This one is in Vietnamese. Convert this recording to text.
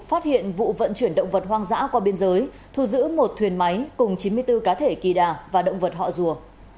phát hiện vụ vận chuyển động vật hoang dã qua biên giới thu giữ một thuyền máy cùng chín mươi bốn cá thể kỳ đà và động vật họ rùa